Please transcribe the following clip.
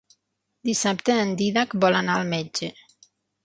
Dissabte en Dídac vol anar al metge.